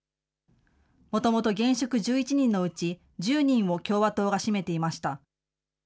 もともと現職１１人のうち１０人を共和党が占めていました。